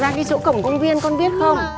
ra cái chỗ cổng công viên con biết không